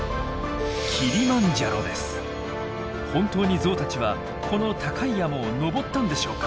本当にゾウたちはこの高い山を登ったんでしょうか？